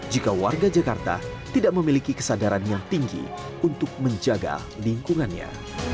jika warga jakarta tidak memiliki kesadaran yang tinggi untuk menjaga lingkungannya